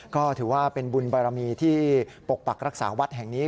ก็ถือว่าเป็นบุญบารมีที่ปกปักรักษาวัดแห่งนี้